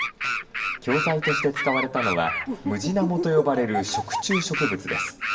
教材として使われたのはムジナモと呼ばれる食虫植物です。